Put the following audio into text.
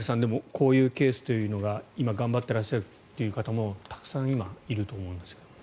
こういうケースというのが今頑張ってらっしゃる方もたくさん今、いると思うんですよね。